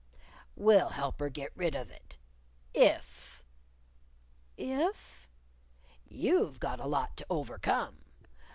We'll help her get rid of it! if!" "If?" "You've got a lot to overcome.